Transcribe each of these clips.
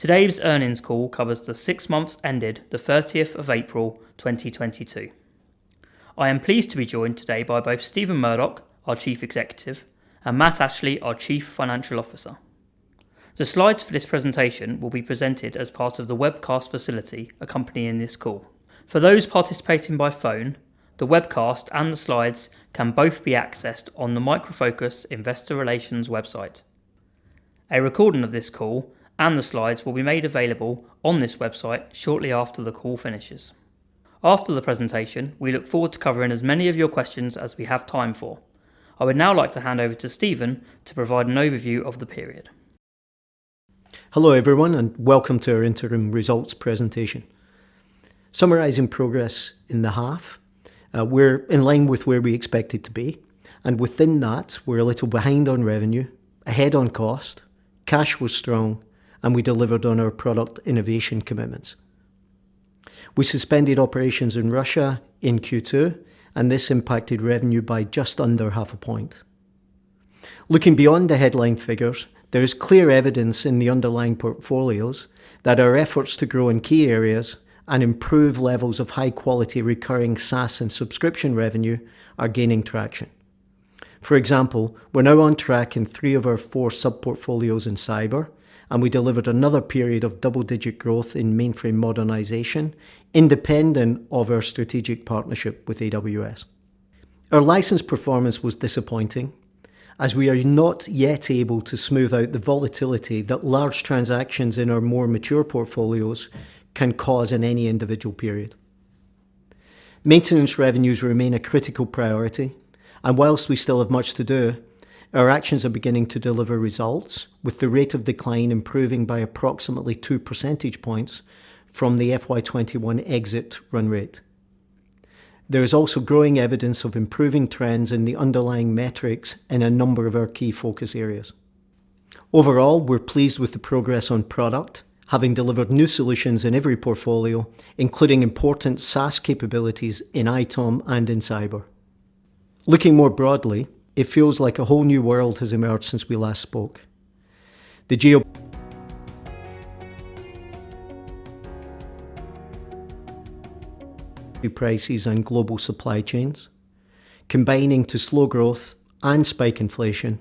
Today's earnings call covers the six months ended the 30th of April, 2022. I am pleased to be joined today by both Stephen Murdoch, our Chief Executive Officer, and Matt Ashley, our Chief Financial Officer. The slides for this presentation will be presented as part of the webcast facility accompanying this call. For those participating by phone, the webcast and the slides can both be accessed on the Micro Focus Investor Relations website. A recording of this call and the slides will be made available on this website shortly after the call finishes. After the presentation, we look forward to covering as many of your questions as we have time for. I would now like to hand over to Stephen to provide an overview of the period. Hello everyone, and welcome to our interim results presentation. Summarizing progress in the half, we're in line with where we expected to be, and within that, we're a little behind on revenue, ahead on cost, cash was strong, and we delivered on our product innovation commitments. We suspended operations in Russia in Q2, and this impacted revenue by just under half a point. Looking beyond the headline figures, there is clear evidence in the underlying portfolios that our efforts to grow in key areas and improve levels of high-quality recurring SaaS and subscription revenue are gaining traction. For example, we're now on track in three of our four sub-portfolios in cyber, and we delivered another period of double-digit growth in mainframe modernization independent of our strategic partnership with AWS. Our license performance was disappointing, as we are not yet able to smooth out the volatility that large transactions in our more mature portfolios can cause in any individual period. Maintenance revenues remain a critical priority, and while we still have much to do, our actions are beginning to deliver results, with the rate of decline improving by approximately two percentage points from the FY 2021 exit run rate. There is also growing evidence of improving trends in the underlying metrics in a number of our key focus areas. Overall, we're pleased with the progress on product, having delivered new solutions in every portfolio, including important SaaS capabilities in ITOM and in cyber. Looking more broadly, it feels like a whole new world has emerged since we last spoke. The geopolitical energy prices and global supply chains combining to slow growth and spike inflation,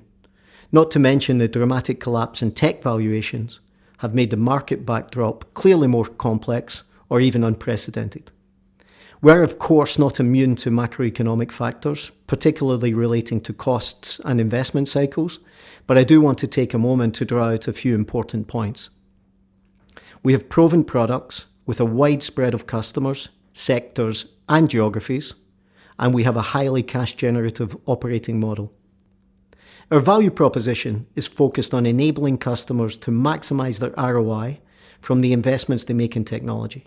not to mention the dramatic collapse in tech valuations, have made the market backdrop clearly more complex or even unprecedented. We're of course not immune to macroeconomic factors, particularly relating to costs and investment cycles, but I do want to take a moment to draw out a few important points. We have proven products with a wide spread of customers, sectors and geographies, and we have a highly cash generative operating model. Our value proposition is focused on enabling customers to maximize their ROI from the investments they make in technology.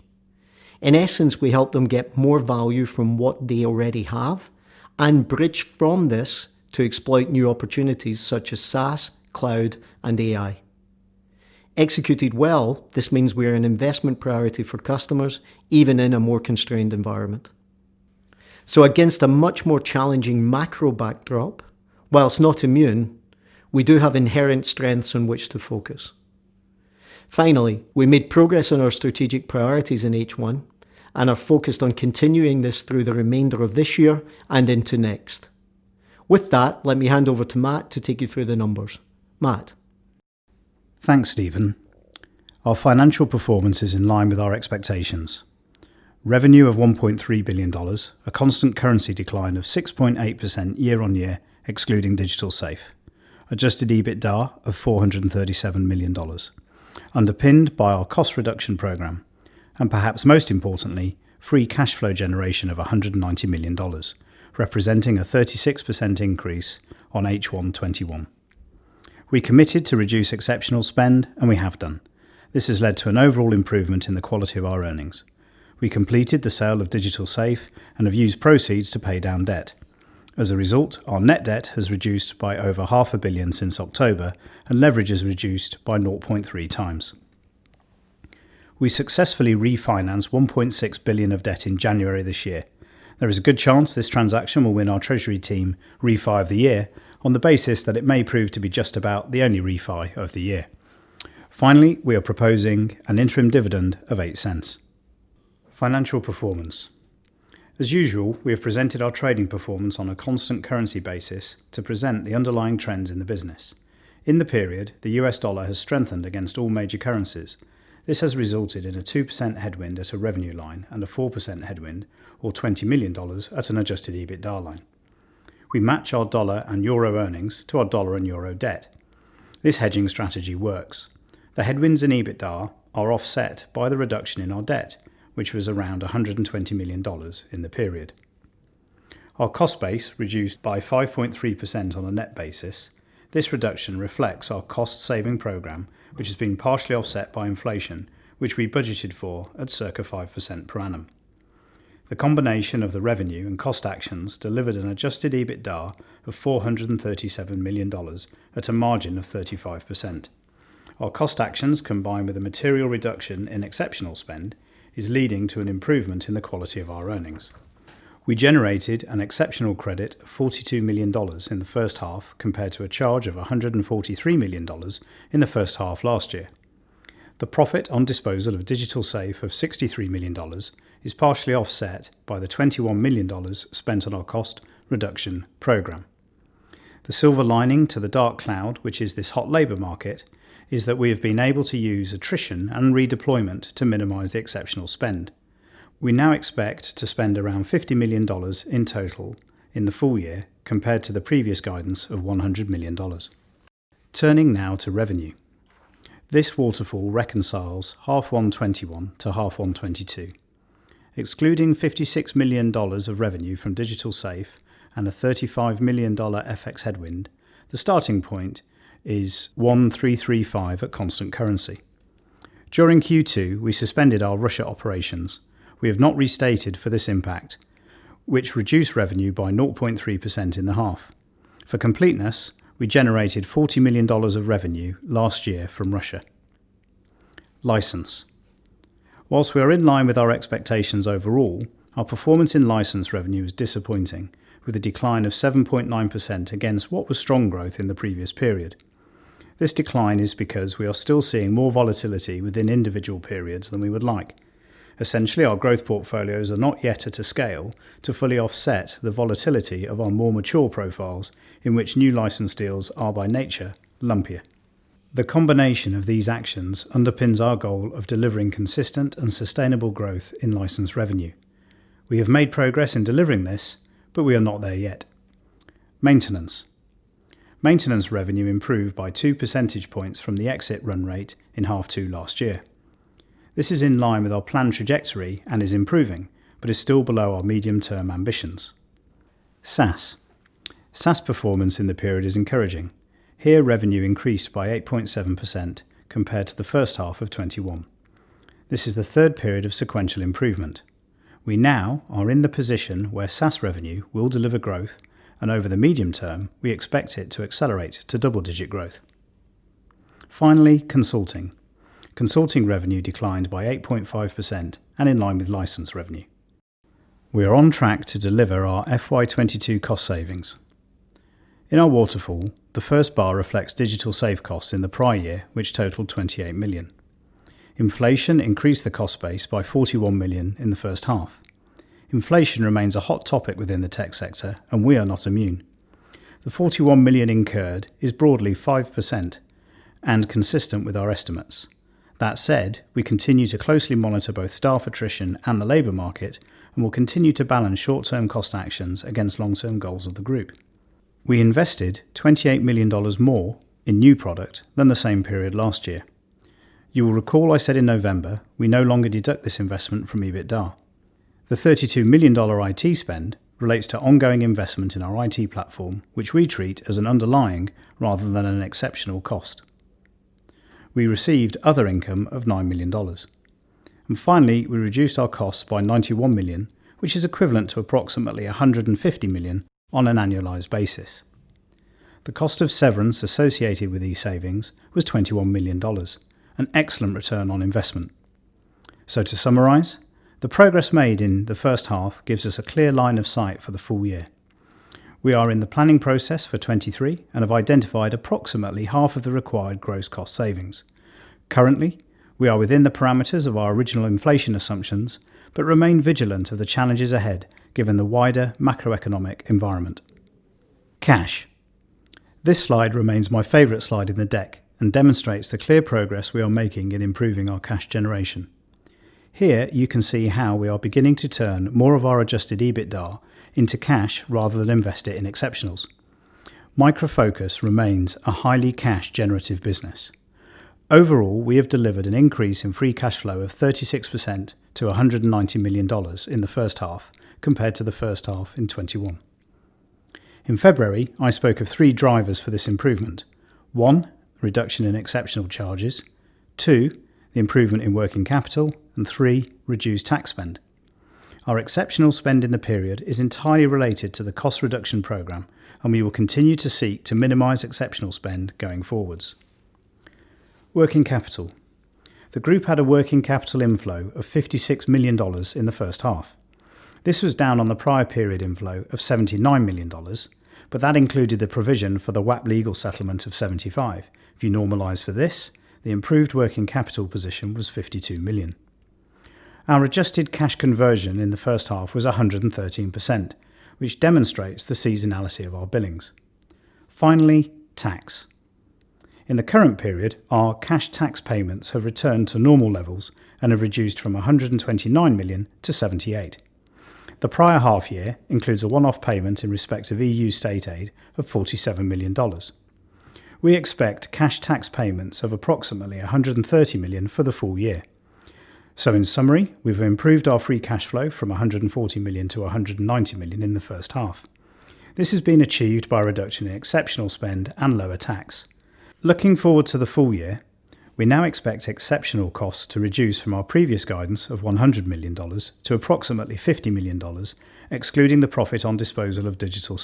In essence, we help them get more value from what they already have and bridge from this to exploit new opportunities such as SaaS, cloud, and AI. Executed well, this means we are an investment priority for customers, even in a more constrained environment. Against a much more challenging macro backdrop, while not immune, we do have inherent strengths on which to focus. Finally, we made progress on our strategic priorities in H1 and are focused on continuing this through the remainder of this year and into next. With that, let me hand over to Matt to take you through the numbers. Matt. Thanks Stephen. Our financial performance is in line with our expectations. Revenue of $1.3 billion, a constant currency decline of 6.8% year-on-year, excluding Digital Safe. Adjusted EBITDA of $437 million, underpinned by our cost reduction program, and perhaps most importantly, free cash flow generation of $190 million, representing a 36% increase on H1 2021. We committed to reduce exceptional spend, and we have done. This has led to an overall improvement in the quality of our earnings. We completed the sale of Digital Safe and have used proceeds to pay down debt. As a result, our net debt has reduced by over half a billion dollars since October, and leverage has reduced by 0.3 times. We successfully refinanced $1.6 billion of debt in January this year. There is a good chance this transaction will win our treasury team Refi of the Year on the basis that it may prove to be just about the only refi of the year. Finally, we are proposing an interim dividend of $0.08. Financial performance. As usual, we have presented our trading performance on a constant currency basis to present the underlying trends in the business. In the period, the US dollar has strengthened against all major currencies. This has resulted in a 2% headwind at a revenue line and a 4% headwind, or $20 million at an adjusted EBITDA line. We match our dollar and Euro earnings to our dollar and Euro debt. This hedging strategy works. The headwinds in EBITDA are offset by the reduction in our debt, which was around $120 million in the period. Our cost base reduced by 5.3% on a net basis. This reduction reflects our cost-saving program, which has been partially offset by inflation, which we budgeted for at circa 5% per annum. The combination of the revenue and cost actions delivered an adjusted EBITDA of $437 million at a margin of 35%. Our cost actions, combined with a material reduction in exceptional spend, is leading to an improvement in the quality of our earnings. We generated an exceptional credit of $42 million in the first half compared to a charge of $143 million in the first half last year. The profit on disposal of Digital Safe of $63 million is partially offset by the $21 million spent on our cost reduction program. The silver lining to the dark cloud, which is this hot labor market, is that we have been able to use attrition and redeployment to minimize the exceptional spend. We now expect to spend around $50 million in total in the full year compared to the previous guidance of $100 million. Turning now to revenue. This waterfall reconciles H1 2021 to H1 2022. Excluding $56 million of revenue from Digital Safe and a $35 million FX headwind, the starting point is 1,335 at constant currency. During Q2, we suspended our Russia operations. We have not restated for this impact, which reduced revenue by 0.3% in the half. For completeness, we generated $40 million of revenue last year from Russia. License. While we are in line with our expectations overall, our performance in license revenue is disappointing, with a decline of 7.9% against what was strong growth in the previous period. This decline is because we are still seeing more volatility within individual periods than we would like. Essentially, our growth portfolios are not yet at a scale to fully offset the volatility of our more mature profiles in which new license deals are by nature lumpier. The combination of these actions underpins our goal of delivering consistent and sustainable growth in license revenue. We have made progress in delivering this, but we are not there yet. Maintenance. Maintenance revenue improved by 2 percentage points from the exit run rate in H2 last year. This is in line with our planned trajectory and is improving, but is still below our medium-term ambitions. SaaS. SaaS performance in the period is encouraging. Here revenue increased by 8.7% compared to the first half of 2021. This is the third period of sequential improvement. We now are in the position where SaaS revenue will deliver growth and over the medium term, we expect it to accelerate to double-digit growth, finally, Consulting. Consulting revenue declined by 8.5% and in line with license revenue. We are on track to deliver our FY 2022 cost savings. In our waterfall, the first bar reflects Digital Safe costs in the prior year, which totaled $28 million. Inflation increased the cost base by $41 million in the first half. Inflation remains a hot topic within the tech sector, and we are not immune. The $41 million incurred is broadly 5% and consistent with our estimates. That said, we continue to closely monitor both staff attrition and the labor market and will continue to balance short-term cost actions against long-term goals of the group. We invested $28 million more in new product than the same period last year. You will recall I said in November we no longer deduct this investment from EBITDA. The $32 million IT spend relates to ongoing investment in our IT platform, which we treat as an underlying rather than an exceptional cost. We received other income of $9 million. Finally, we reduced our costs by $91 million, which is equivalent to approximately $150 million on an annualized basis. The cost of severance associated with these savings was $21 million, an excellent return on investment. To summarize, the progress made in the first half gives us a clear line of sight for the full year. We are in the planning process for 2023 and have identified approximately half of the required gross cost savings. Currently, we are within the parameters of our original inflation assumptions but remain vigilant of the challenges ahead given the wider macroeconomic environment. Cash. This slide remains my favorite slide in the deck and demonstrates the clear progress we are making in improving our cash generation. Here you can see how we are beginning to turn more of our adjusted EBITDA into cash rather than invest it in exceptionals. Micro Focus remains a highly cash generative business. Overall, we have delivered an increase in free cash flow of 36% to $190 million in the first half compared to the first half in 2021. In February, I spoke of three drivers for this improvement. One, reduction in exceptional charges. Two, the improvement in working capital. Three, reduced tax spend. Our exceptional spend in the period is entirely related to the cost reduction program, and we will continue to seek to minimize exceptional spend going forward. Working capital. The group had a working capital inflow of $56 million in the first half. This was down on the prior period inflow of $79 million, but that included the provision for the Wapp legal settlement of $75 million. If you normalize for this, the improved working capital position was $52 million. Our adjusted cash conversion in the first half was 113%, which demonstrates the seasonality of our billings finally, Tax. In the current period, our cash tax payments have returned to normal levels and have reduced from $129 million-$78 million. The prior half year includes a one-off payment in respect of EU state aid of $47 million. We expect cash tax payments of approximately $130 million for the full year. In summary, we've improved our free cash flow from $140 million-$190 million in the first half. This has been achieved by a reduction in exceptional spend and lower tax. Looking forward to the full year, we now expect exceptional costs to reduce from our previous guidance of $100 million to approximately $50 million, excluding the profit on disposal of Digital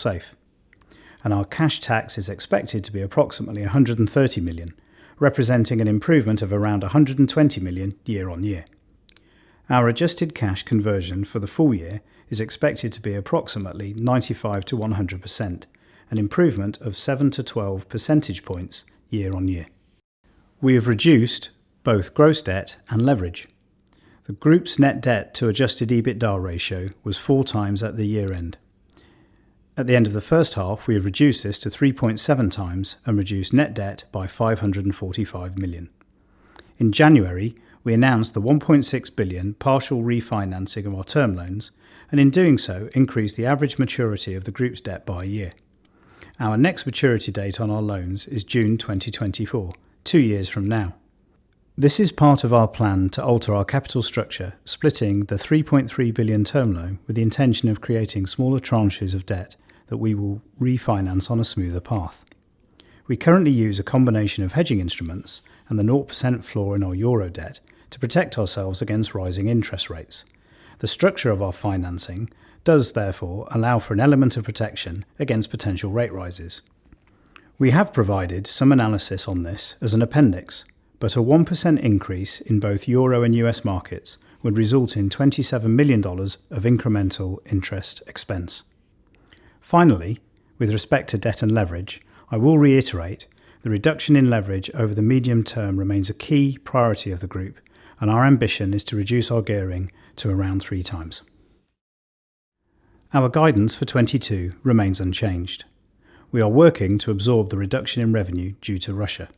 Safe. Our cash tax is expected to be approximately $130 million, representing an improvement of around $120 million year-on-year. Our adjusted cash conversion for the full year is expected to be approximately 95%-100%, an improvement of 7-12 percentage points year-on-year. We have reduced both gross debt and leverage. The group's net debt to adjusted EBITDA ratio was 4x at the year-end. At the end of the first half, we have reduced this to 3.7x and reduced net debt by $545 million. In January, we announced the $1.6 billion partial refinancing of our term loans, and in doing so increased the average maturity of the group's debt by a year. Our next maturity date on our loans is June 2024, two years from now. This is part of our plan to alter our capital structure, splitting the $3.3 billion term loan with the intention of creating smaller tranches of debt that we will refinance on a smoother path. We currently use a combination of hedging instruments and the zero percent floor in our Euro debt to protect ourselves against rising interest rates. The structure of our financing does therefore allow for an element of protection against potential rate rises. We have provided some analysis on this as an appendix, but a 1% increase in both Euro and U.S. markets would result in $27 million of incremental interest expense. Finally, with respect to debt and leverage, I will reiterate the reduction in leverage over the medium term remains a key priority of the group, and our ambition is to reduce our gearing to around 3x. Our guidance for 2022 remains unchanged. We are working to absorb the reduction in revenue due to Russia.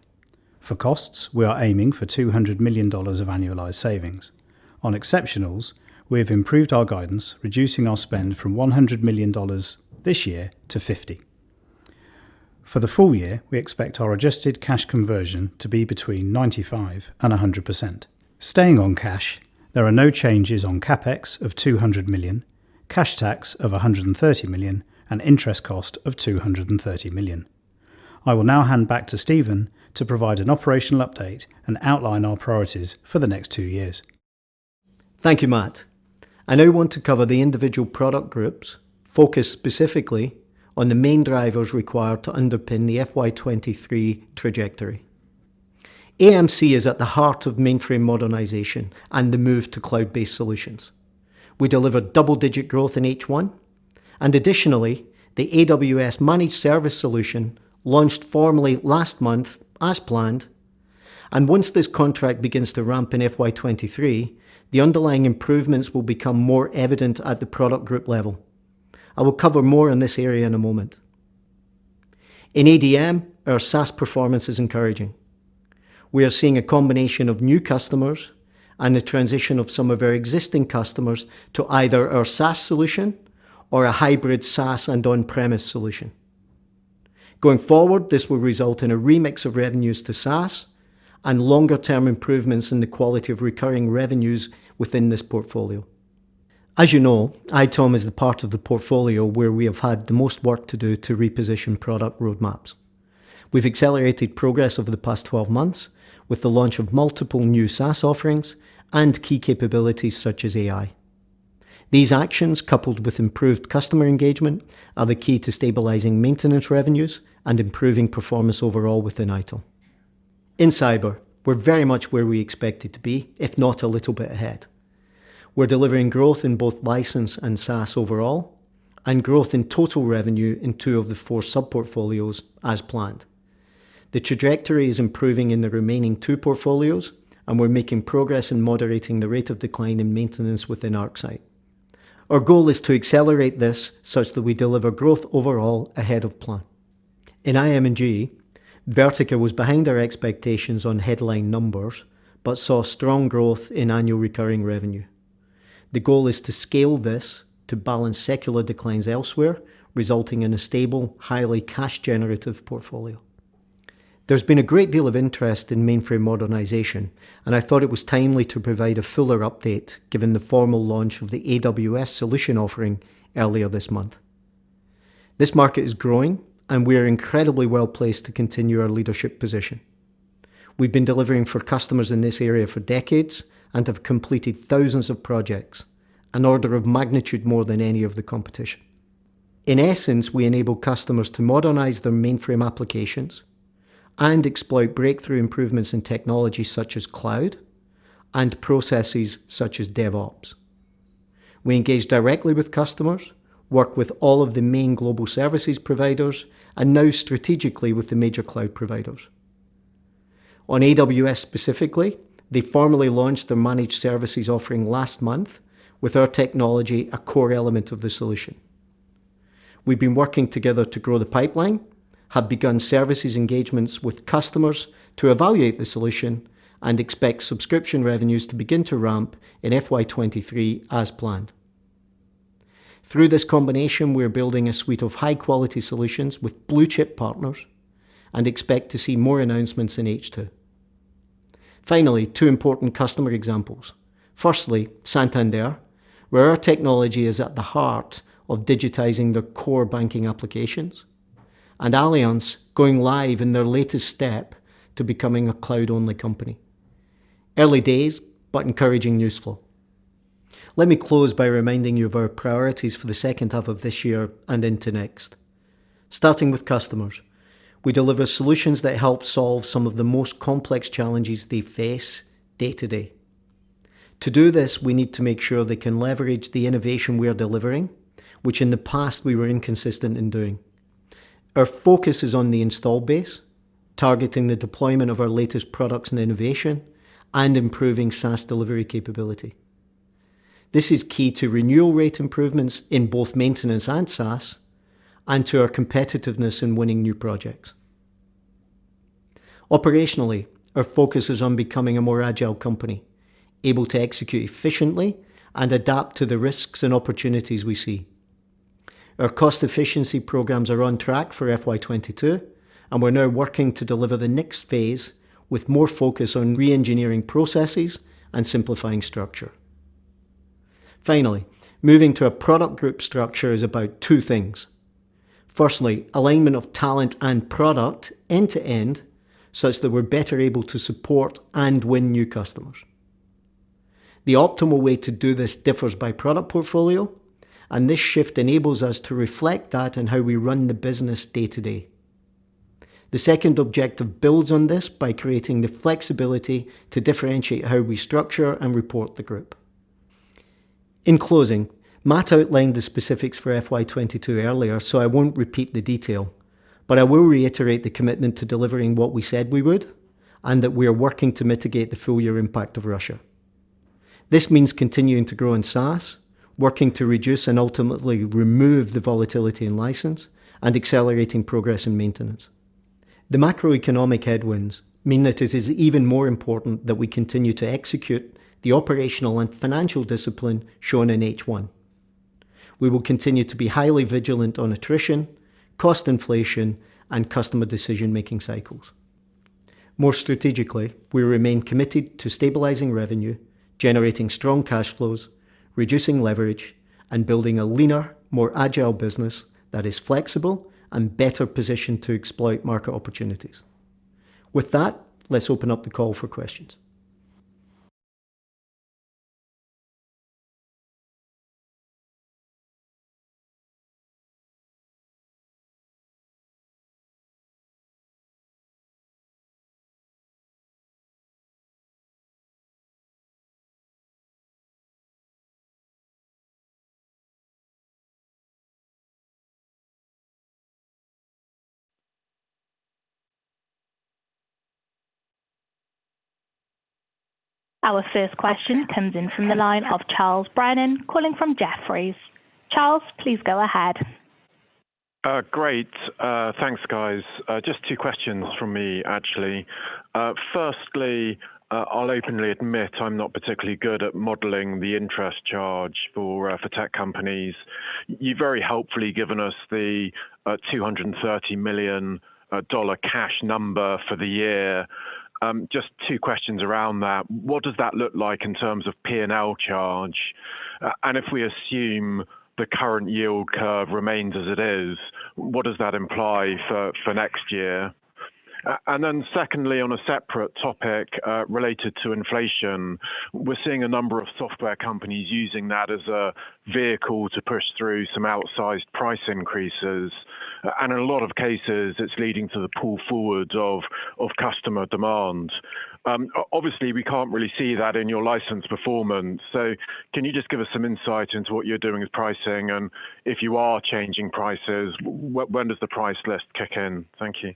For costs, we are aiming for $200 million of annualized savings. On exceptionals, we have improved our guidance, reducing our spend from $100 million this year to $50 million. For the full year, we expect our adjusted cash conversion to be between 95% and 100%. Staying on cash, there are no changes on CapEx of $200 million, cash tax of $130 million, and interest cost of $230 million. I will now hand back to Stephen to provide an operational update and outline our priorities for the next two years. Thank you Matt. I now want to cover the individual product groups, focused specifically on the main drivers required to underpin the FY 2023 trajectory. AMC is at the heart of mainframe modernization and the move to cloud-based solutions. We delivered double-digit growth in H1, and additionally, the AWS Managed Service Solution launched formally last month as planned. Once this contract begins to ramp in FY 2023, the underlying improvements will become more evident at the product group level. I will cover more on this area in a moment. In ADM, our SaaS performance is encouraging. We are seeing a combination of new customers and the transition of some of our existing customers to either our SaaS solution or a hybrid SaaS and on-premise solution. Going forward, this will result in a remix of revenues to SaaS and longer-term improvements in the quality of recurring revenues within this portfolio. As you know, ITOM is the part of the portfolio where we have had the most work to do to reposition product roadmaps. We've accelerated progress over the past 12 months with the launch of multiple new SaaS offerings and key capabilities such as AI. These actions, coupled with improved customer engagement, are the key to stabilizing maintenance revenues and improving performance overall within ITOM. In cyber, we're very much where we expected to be, if not a little bit ahead. We're delivering growth in both license and SaaS overall, and growth in total revenue in two of the four sub-portfolios as planned. The trajectory is improving in the remaining two portfolios, and we're making progress in moderating the rate of decline in maintenance within ArcSight. Our goal is to accelerate this such that we deliver growth overall ahead of plan. In IM&G, Vertica was behind our expectations on headline numbers, but saw strong growth in annual recurring revenue. The goal is to scale this to balance secular declines elsewhere, resulting in a stable, highly cash generative portfolio. There's been a great deal of interest in mainframe modernization, and I thought it was timely to provide a fuller update given the formal launch of the AWS solution offering earlier this month. This market is growing, and we are incredibly well-placed to continue our leadership position. We've been delivering for customers in this area for decades and have completed thousands of projects, an order of magnitude more than any of the competition. In essence, we enable customers to modernize their mainframe applications and exploit breakthrough improvements in technology such as cloud and processes such as DevOps. We engage directly with customers, work with all of the main global services providers, and now strategically with the major cloud providers. On AWS specifically, they formally launched their managed services offering last month with our technology a core element of the solution. We've been working together to grow the pipeline, have begun services engagements with customers to evaluate the solution, and expect subscription revenues to begin to ramp in FY 2023 as planned. Through this combination, we are building a suite of high-quality solutions with blue-chip partners and expect to see more announcements in H2. Finally, two important customer examples. Firstly, Santander, where our technology is at the heart of digitizing their core banking applications, and Allianz going live in their latest step to becoming a cloud-only company. Early days, but encouraging news flow. Let me close by reminding you of our priorities for the second half of this year and into next. Starting with customers, we deliver solutions that help solve some of the most complex challenges they face day to day. To do this, we need to make sure they can leverage the innovation we are delivering, which in the past, we were inconsistent in doing. Our focus is on the install base, targeting the deployment of our latest products and innovation and improving SaaS delivery capability. This is key to renewal rate improvements in both maintenance and SaaS and to our competitiveness in winning new projects. Operationally, our focus is on becoming a more agile company, able to execute efficiently and adapt to the risks and opportunities we see. Our cost efficiency programs are on track for FY 2022, and we're now working to deliver the next phase with more focus on reengineering processes and simplifying structure. Finally, moving to a product group structure is about two things. Firstly, alignment of talent and product end-to-end such that we're better able to support and win new customers. The optimal way to do this differs by product portfolio, and this shift enables us to reflect that in how we run the business day-to-day. The second objective builds on this by creating the flexibility to differentiate how we structure and report the group. In closing, Matt outlined the specifics for FY 2022 earlier, so I won't repeat the detail. I will reiterate the commitment to delivering what we said we would and that we are working to mitigate the full year impact of Russia. This means continuing to grow in SaaS, working to reduce and ultimately remove the volatility in license and accelerating progress in maintenance. The macroeconomic headwinds mean that it is even more important that we continue to execute the operational and financial discipline shown in H1. We will continue to be highly vigilant on attrition, cost inflation, and customer decision-making cycles. More strategically, we remain committed to stabilizing revenue, generating strong cash flows, reducing leverage, and building a leaner, more agile business that is flexible and better positioned to exploit market opportunities. With that, let's open up the call for questions. Our first question comes in from the line of Charles Brennan calling from Jefferies. Charles, please go ahead. Great. Thanks, guys. Just two questions from me, actually. Firstly, I'll openly admit I'm not particularly good at modeling the interest charge for tech companies. You've very helpfully given us the $230 million cash number for the year. Just two questions around that. What does that look like in terms of P&L charge? If we assume the current yield curve remains as it is, what does that imply for next year? Secondly, on a separate topic related to inflation, we're seeing a number of software companies using that as a vehicle to push through some outsized price increases. In a lot of cases, it's leading to the pull forward of customer demand. Obviously, we can't really see that in your license performance. Can you just give us some insight into what you're doing with pricing, and if you are changing prices, when does the price list kick in? Thank you.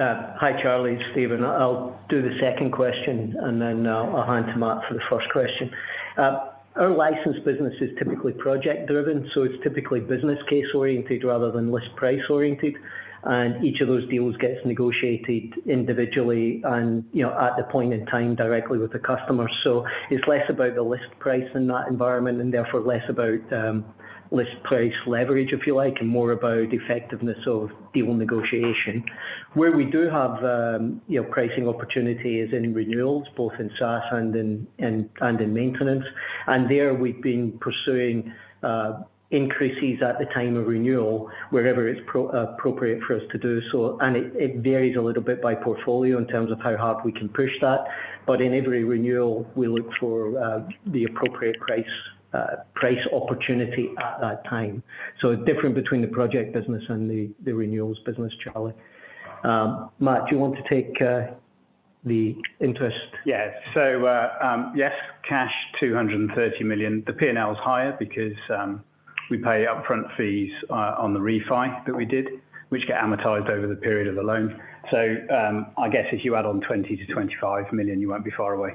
Hi Charles. It's Stephen. I'll do the second question, and then I'll hand to Matt for the first question. Our license business is typically project driven, so it's typically business case oriented rather than list price oriented. Each of those deals gets negotiated individually and, you know, at the point in time directly with the customer. It's less about the list price in that environment and therefore less about list price leverage, if you like, and more about effectiveness of deal negotiation. Where we do have you know, pricing opportunities in renewals, both in SaaS and in maintenance. There, we've been pursuing increases at the time of renewal wherever it's appropriate for us to do so. It varies a little bit by portfolio in terms of how hard we can push that. In every renewal we look for the appropriate price opportunity at that time. Different between the project business and the renewals business, Charles. Matt, do you want to take the interest? Yes. $230 million. The P&L is higher because we pay upfront fees on the refi that we did, which get amortized over the period of the loan. I guess if you add on $20 million-$25 million, you won't be far away.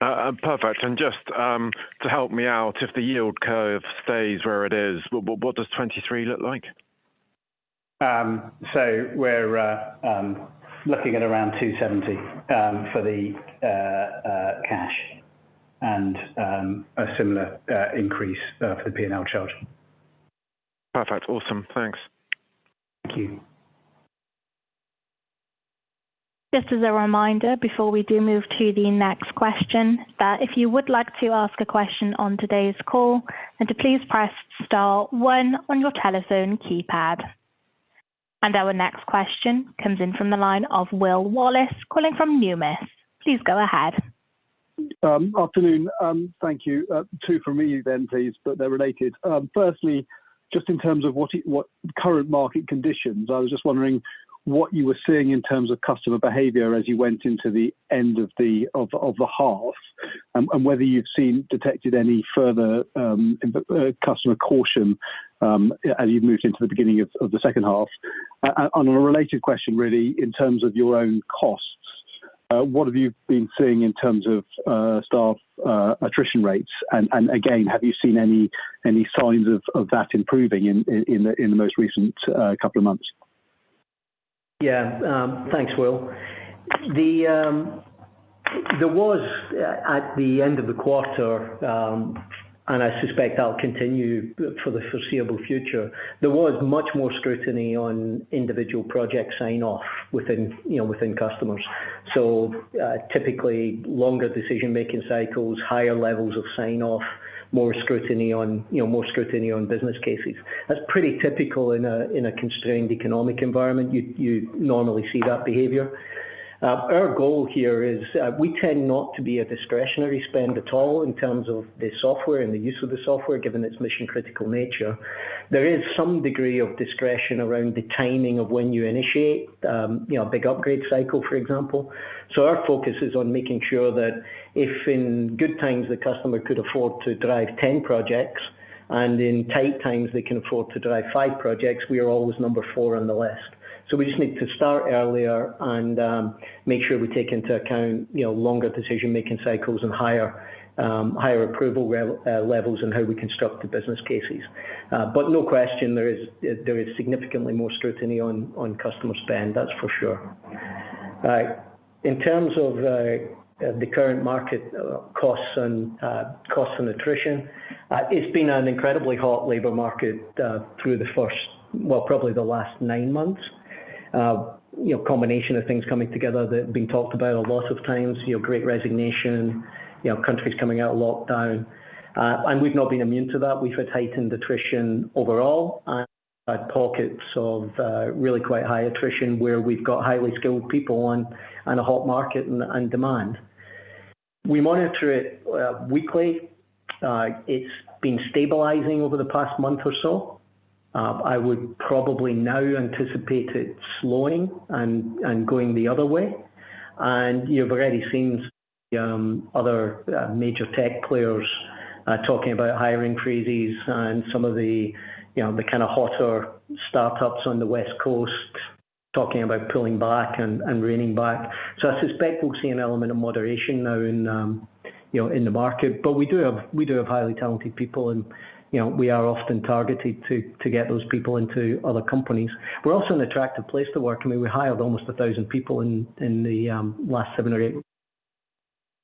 Perfect. Just to help me out, if the yield curve stays where it is, what does 2023 look like? We're looking at around $270 for the cash and a similar increase for the P&L charge. Perfect. Awesome. Thanks. Thank you. Just as a reminder before we do move to the next question, that if you would like to ask a question on today's call, then to please press star one on your telephone keypad. Our next question comes in from the line of Will Wallace, calling from Numis. Please go ahead. Afternoon thank you. Two from me then please, but they're related. Firstly, just in terms of what current market conditions, I was just wondering what you were seeing in terms of customer behavior as you went into the end of the half. Whether you've detected any further customer caution as you've moved into the beginning of the second half. On a related question really in terms of your own costs, what have you been seeing in terms of staff attrition rates. Again, have you seen any signs of that improving in the most recent couple of months? Yeah Thanks, Will. There was at the end of the quarter, and I suspect I'll continue for the foreseeable future, much more scrutiny on individual project sign off within you know, customers. Typically longer decision-making cycles, higher levels of sign off more scrutiny on, you know, business cases. That's pretty typical in a constrained economic environment. You normally see that behavior. Our goal here is, we tend not to be a discretionary spend at all in terms of the software and the use of the software, given its mission critical nature. There is some degree of discretion around the timing of when you initiate, you know, a big upgrade cycle, for example. Our focus is on making sure that if in good times the customer could afford to drive 10 projects, and in tight times they can afford to drive five projects, we are always number four on the list. We just need to start earlier and make sure we take into account, you know, longer decision-making cycles and higher approval levels in how we construct the business cases. No question there is significantly more scrutiny on customer spend, that's for sure. In terms of the current market, costs and attrition, it's been an incredibly hot labor market through the first, well, probably the last nine months. You know, combination of things coming together that have been talked about a lot of times, you know, great resignation, you know countries coming out lockdown. We've not been immune to that. We've had heightened attrition overall and pockets of really quite high attrition where we've got highly skilled people and a hot market and demand. We monitor it weekly. It's been stabilizing over the past month or so. I would probably now anticipate it slowing and going the other way. You've already seen other major tech players talking about hiring freezes and some of the you know, the kind of hotter startups on the West Coast talking about pulling back and reining back. I suspect we'll see an element of moderation now in you know, in the market. We have highly talented people and, you know, we are often targeted to get those people into other companies. We're also an attractive place to work. I mean, we hired almost 1,000 people in the last seven or eight,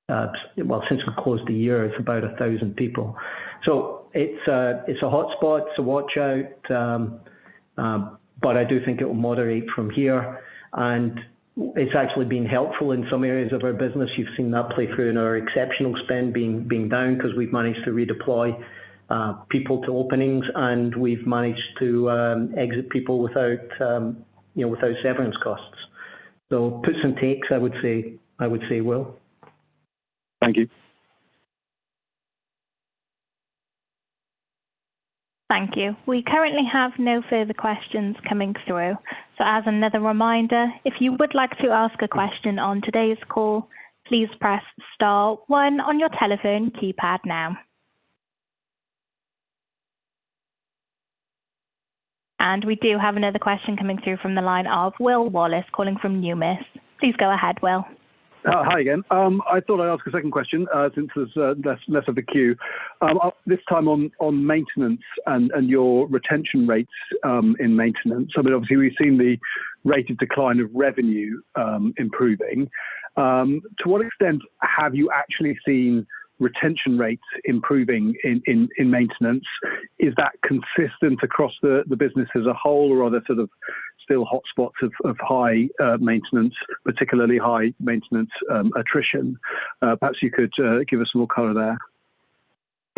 well, since we closed the year, it's about 1,000 people. So it's a hotspot to watch out. I do think it will moderate from here, and it's actually been helpful in some areas of our business. You've seen that play through in our exceptional spend being down 'cause we've managed to redeploy people to openings, and we've managed to exit people without, you know, without severance costs. So puts and takes, I would say, Will. Thank you. Thank you. We currently have no further questions coming through. As another reminder, if you would like to ask a question on today's call, please press star one on your telephone keypad now. We do have another question coming through from the line of Will Wallace, calling from Numis. Please go ahead, Will. Hi again. I thought I'd ask a second question, since there's less of a queue. This time on maintenance and your retention rates in maintenance. I mean, obviously we've seen the rate of decline of revenue improving. To what extent have you actually seen retention rates improving in maintenance? Is that consistent across the business as a whole or are there sort of still hotspots of high maintenance, particularly high maintenance attrition? Perhaps you could give us a little color there.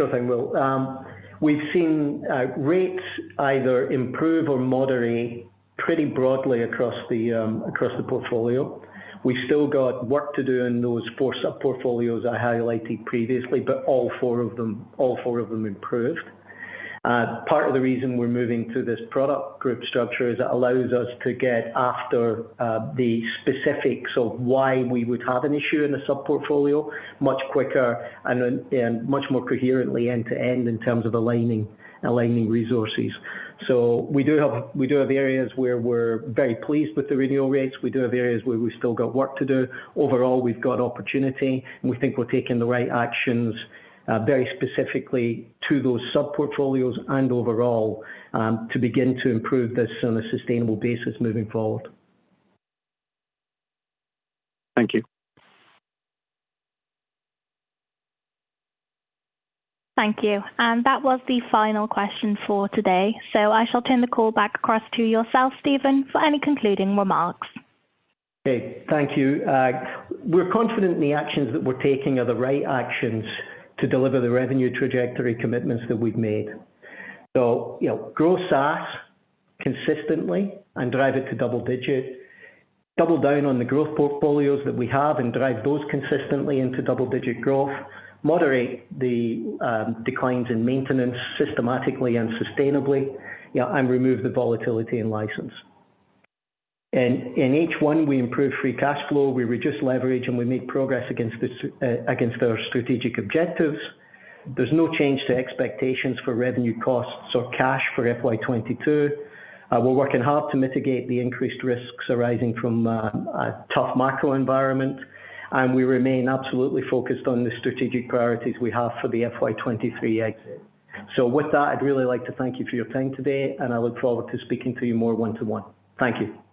Sure thing, Will. We've seen rates either improve or moderate pretty broadly across the portfolio. We've still got work to do in those four sub-portfolios I highlighted previously, but all four of them improved. Part of the reason we're moving to this product group structure is it allows us to get after the specifics of why we would have an issue in a sub-portfolio much quicker and then much more coherently end to end in terms of aligning resources. We do have areas where we're very pleased with the renewal rates. We do have areas where we've still got work to do. Overall, we've got opportunity, and we think we're taking the right actions, very specifically to those sub-portfolios and overall, to begin to improve this on a sustainable basis moving forward. Thank you. Thank you. That was the final question for today, so I shall turn the call back across to yourself, Stephen, for any concluding remarks. Okay Thank you. We're confident the actions that we're taking are the right actions to deliver the revenue trajectory commitments that we've made. You know, grow SaaS consistently and drive it to double-digit. Double down on the growth portfolios that we have and drive those consistently into double-digit growth. Moderate the declines in maintenance systematically and sustainably, you know, and remove the volatility in license. In each one, we improve free cash flow, we reduce leverage, and we make progress against our strategic objectives. There's no change to expectations for revenue, costs or cash for FY 2022. We're working hard to mitigate the increased risks arising from a tough macro environment, and we remain absolutely focused on the strategic priorities we have for the FY 2023 exit. With that, I'd really like to thank you for your time today, and I look forward to speaking to you more one-to-one. Thank you.